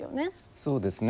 そうですね。